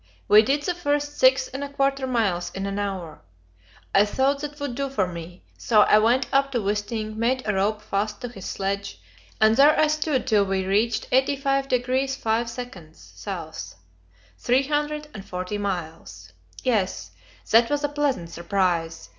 We did the first six and a quarter miles in an hour. I thought that would do for me, so I went up to Wisting, made a rope fast to his sledge, and there I stood till we reached 85° 5' S. three hundred and forty miles. Yes; that was a pleasant surprise.